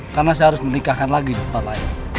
karena saya harus menikahkan lagi di tempat lain